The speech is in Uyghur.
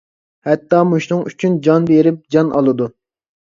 ھەتتا مۇشۇنىڭ ئۈچۈن جان بېرىپ، جان ئالىدۇ.